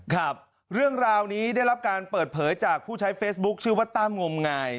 ครับเรื่องราวนี้ได้รับการเปิดเผยจากผู้ใช้เฟซบุ๊คชื่อว่าตั้มงมงาย